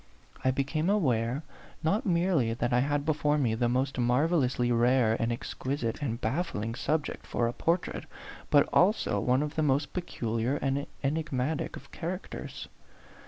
I became aware, not merely that I had before me the most marvellously rare and exquisite and baffling subject for a A PHANTOM LOVER. 31 portrait, but also one of the most peculiar and enigmatic of characters.